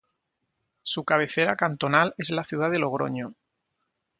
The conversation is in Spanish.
Su cabecera cantonal es la ciudad de Logroño.